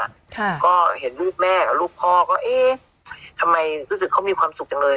ค่ะก็เห็นรูปแม่กับลูกพ่อก็เอ๊ะทำไมรู้สึกเขามีความสุขจังเลย